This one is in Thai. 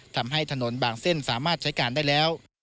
ทำให้ถนนบางเส้นสามารถใช้การได้แล้ว